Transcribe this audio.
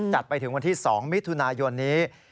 จัดไปถึงวันที่๒มิถุนายนนี้